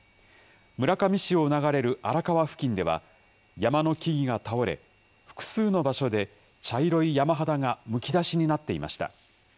村上市を流れる荒川付近では、山の木々が倒れ、複数の場所で茶色い山肌がむき出しになっていました。